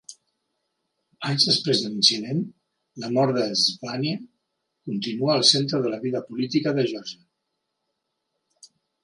Anys després de l'incident, la mort de Zhvania continua al centre de la vida política de Geòrgia.